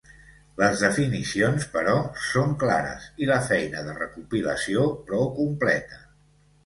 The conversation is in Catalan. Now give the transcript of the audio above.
Les definicions, però, són clares i la feina de recopilació prou completa.